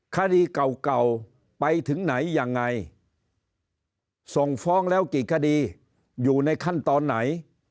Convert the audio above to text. คดีเก่าไปถึงไหนยังไงส่งฟ้องแล้วกี่คดีอยู่ในขั้นตอนไหน